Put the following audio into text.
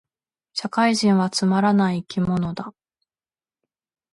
社会人はつまらない生き物だ